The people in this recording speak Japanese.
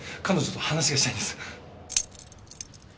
彼女と話がしたいんです。